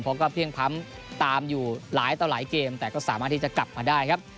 เพราะก็เพลี่ยงพร้ำตามอยู่หลายต่อหลายเกมแต่ก็สามารถที่จะกลับมาได้ครับ